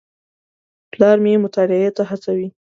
پلار مې مطالعې ته هڅوي.